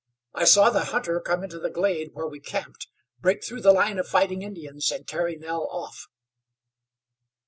I saw the hunter come into the glade where we camped, break through the line of fighting Indians and carry Nell off."